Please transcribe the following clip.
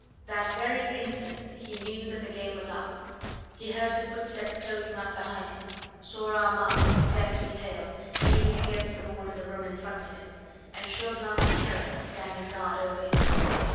That very instant he knew that the game was up; he heard the footsteps closing up behind him, saw Armand, deathly pale, leaning against the wall in the room in front of him, and Chauvelin and Heron standing guard over him.